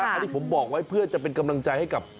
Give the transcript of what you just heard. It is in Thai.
อันนี้ผมบอกไว้เพื่อจะเป็นกำลังใจให้กับ